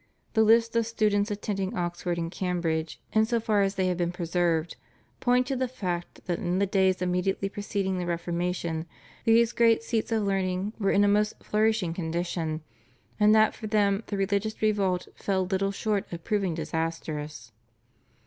The lists of students attending Oxford and Cambridge in so far as they have been preserved point to the fact that in the days immediately preceding the Reformation these great seats of learning were in a most flourishing condition, and that for them the religious revolt fell little short of proving disastrous.